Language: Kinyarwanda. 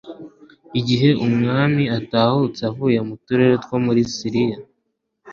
igihe umwami atahutse avuye mu turere two muri silisiya